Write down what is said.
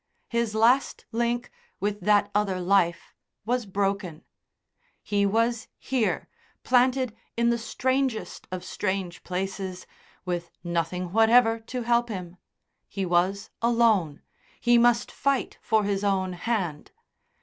His last link with that other life was broken. He was here, planted in the strangest of strange places, with nothing whatever to help him. He was alone; he must fight for his own hand.